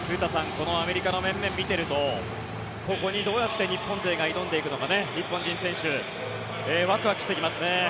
このアメリカの面々を見ているとここにどうやって日本勢が挑んでいくのか日本人選手ワクワクしてきますね。